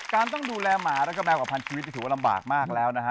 การต้องดูแลหมาและแมวกระพันธ์ชีวิตถือว่าลำบากมากแล้วนะฮะ